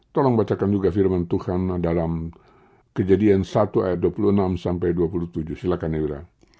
tolong bacakan juga firman tuhan dalam kejadian satu ayat dua puluh enam sampai dua puluh tujuh silakan eura